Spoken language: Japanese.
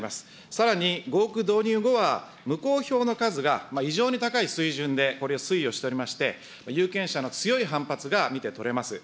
さらに合区導入後は、無効票の数が異常に高い水準で推移をしておりまして、有権者の強い反発が見て取れます。